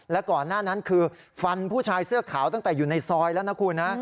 และก่อนหน้านั้นคือฟันผู้ชายเสื้อขาวตั้งแต่อยู่ในซอยแล้วนะคุณนะ